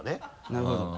なるほど。